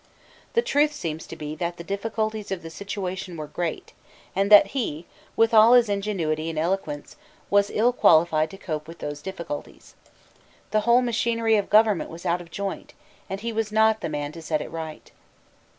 The truth seems to be that the difficulties of the situation were great, and that he, with all his ingenuity and eloquence, was ill qualified to cope with those difficulties. The whole machinery of government was out of joint; and he was not the man to set it right.